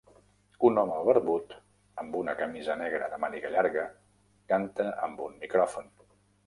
Un home barbut amb una camisa negra de màniga llarga canta amb un micròfon.